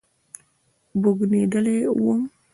بوږنېدلى وم.